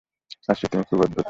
সার্সি, তুমি খুব অদ্ভুদ!